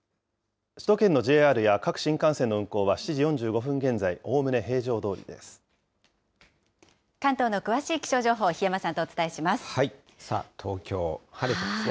首都圏のＪＲや各新幹線の運行は、７時４５分現在、おおむね平常ど関東の詳しい気象情報、檜山東京、晴れてますね。